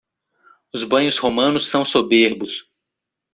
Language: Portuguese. Os banhos romanos são soberbos